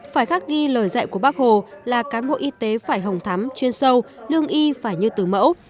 phải khắc ghi lời dạy của bác hồ là cán bộ y tế phải hồng thắm chuyên sâu lương y phải như từ mẫu